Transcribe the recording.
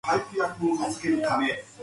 Buchanan successfully sued for libel.